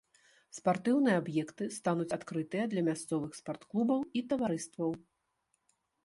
Спартыўныя аб'екты стануць адкрытыя для мясцовых спартклубаў і таварыстваў.